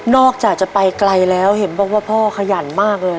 จากจะไปไกลแล้วเห็นบอกว่าพ่อขยันมากเลย